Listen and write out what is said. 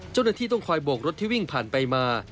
เจ้าหน้าที่ต้องคอยโบกรถที่วิ่งผ่านไปมา